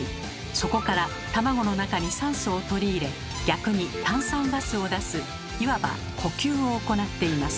そこから卵の中に酸素を取り入れ逆に炭酸ガスを出すいわば呼吸を行っています。